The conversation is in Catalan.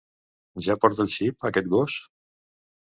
Ja porta el xip, aquest gos?